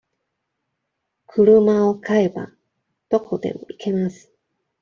車を買えば、どこでも行けます。